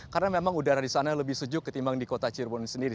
karena memang udara di sana lebih sejuk ketimbang di kota cirebon sendiri